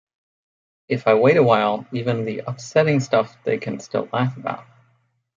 If I wait a while, even the upsetting stuff they can still laugh about.